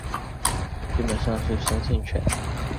基本上是酸性泉。